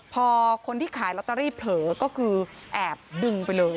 พอคนที่ขายลอตเตอรี่เผลอก็คือแอบดึงไปเลย